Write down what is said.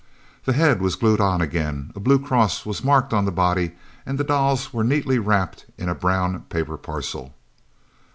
The head was glued on again, a blue cross was marked on the body, and the dolls were neatly wrapped in a brown paper parcel.